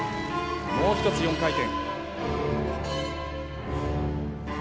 もう一つ４回転。